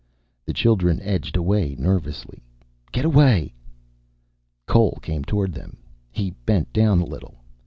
The children edged away nervously. "Get away." Cole came toward them. He bent down a little.